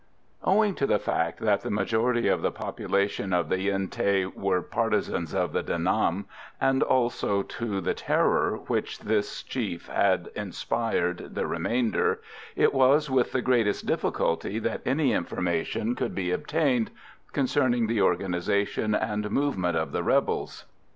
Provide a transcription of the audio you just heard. Owing to the fact that the majority of the population of the Yen Thé were partisans of De Nam, and also to the terror with which this chief had inspired the remainder, it was with the greatest difficulty that any information could be obtained concerning the organisation and movements of the rebels.